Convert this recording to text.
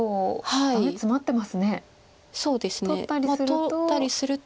取ったりすると。